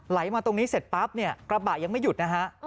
ไหลมาตรงนี้เสร็จปั๊บเนี่ยกระบะยังไม่หยุดนะฮะ